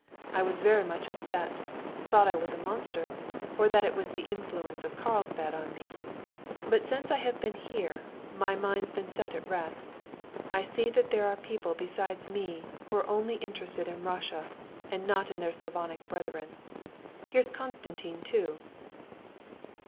I was very much upset, thought I was a monster, or that it was the influence of Carlsbad on me. But since I have been here, my mind's been set at rest. I see that there are people besides me who're only interested in Russia, and not in their Slavonic brethren. Here's Konstantin too."